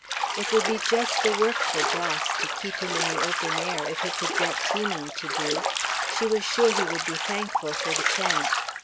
It would be just the work for Jos, to keep him in the open air, if he could get teaming to do; she was sure he would be thankful for the chance.